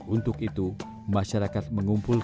untuk itu masyarakat mengumpulkan rumah kokolot